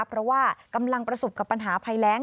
เพราะว่ากำลังประสบกับปัญหาภัยแรง